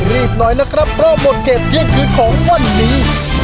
รีบหน่อยนะครับประรอบหมดเกตเรียกถือของวันนี้